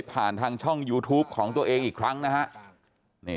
ผ่านทางช่องยูทูปของตัวเองอีกครั้งนะฮะ